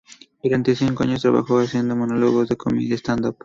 Durante cinco años trabajó haciendo monólogos de comedia stand-up.